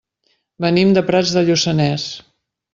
Venim de Prats de Lluçanès.